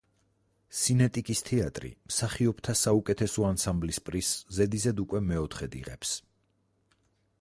სინეტიკის თეატრი მსახიობთა საუკეთესო ანსამბლის პრიზს ზედიზედ უკვე მეოთხედ იღებს.